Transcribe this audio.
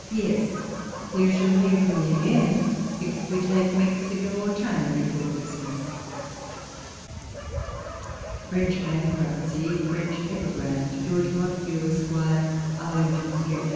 P.S. — You shall hear from me again if we take Mexico or China before Christmas. ... FRENCH BAyKIiUPTCY FIlEXCH EPIGIiAM. To George Montagu, Esq. Arlington Street, Tor.